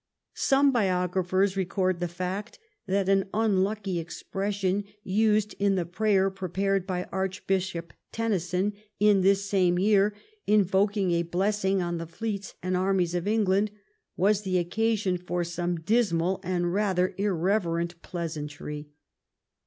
Some biographers record the fact that an unlucky expression used in the prayer prepared by Archbishop Tenison in this same year invoking a blessing on the fleets and armies of England was the occasion for some dismal and rather irreverent pleasantry.